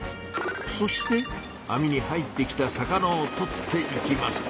そして網に入ってきた魚をとっていきます。